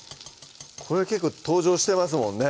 これ結構登場してますもんね